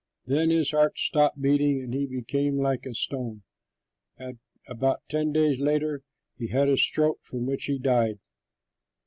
Then his heart stopped beating and he became like a stone. About ten days later he had a stroke from which he died.